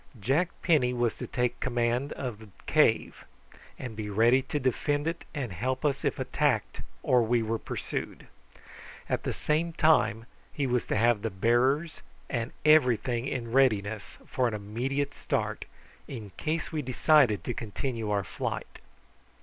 Jack Penny was to take command of the cave, and be ready to defend it and help us if attacked or we were pursued. At the same time he was to have the bearers and everything in readiness for an immediate start, in case we decided to continue our flight.